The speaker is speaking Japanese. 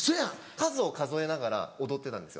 数を数えながら踊ってたんです